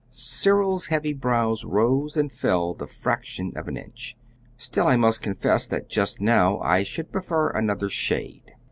Cyril's heavy brows rose and fell the fraction of an inch. "Still, I must confess that just now I should prefer another shade."